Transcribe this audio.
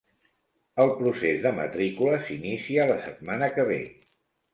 El procés de matrícula s'inicia la setmana que ve.